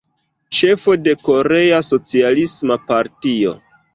Ĉefo de Korea Socialisma Partio.